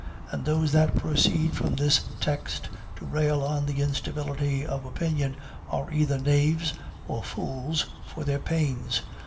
"And those that proceed from this text to rail at the instability of opinion are either knaves or fools for their pains.